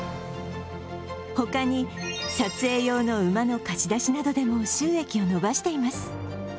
他に、撮影用の馬の貸し出しなどでも収益を伸ばしています。